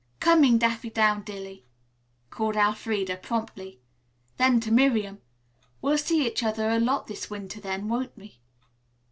"Coming, Daffydowndilly," called Elfreda promptly. Then to Miriam, "We'll see each other a lot this winter then, won't we?"